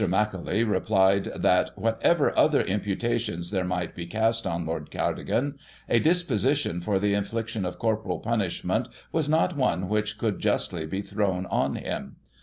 Macauly replied that :" Whatever other imputations there might be cast on Lord Cardigan, a disposition for the infliction of corporal punishment was not one which could justly be thrown on him.